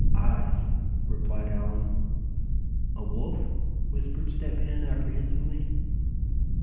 "Eyes," replied Allan. "A wolf?" whispered Step Hen, apprehensively.